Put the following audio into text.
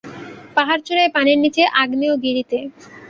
পাহাড়চূড়ায়, পানির নিচে, আগ্নেয়গিরিতে।